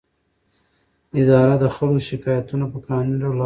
اداره د خلکو شکایتونه په قانوني ډول اوري.